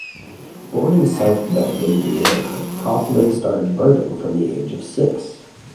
Born in South Bend, Indiana, Kaufman started birding from the age of six.